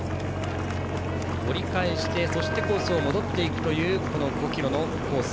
折り返して、コースを戻っていくという５ｋｍのコース。